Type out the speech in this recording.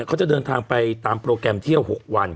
เขาจะเดินทางไปตามโปรแกรมเที่ยว๖วัน